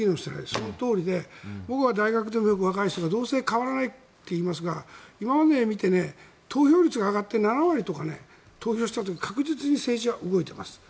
そのとおりで僕も大学で、若い人はどうせ変わらないといいますが今まで見てて投票率が上がって７割になった時必ず政治は動いています。